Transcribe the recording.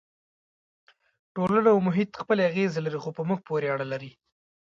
ټولنه او محیط خپلې اغېزې لري خو په موږ پورې اړه لري.